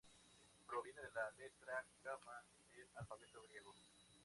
Proviene de la letra gamma del alfabeto griego.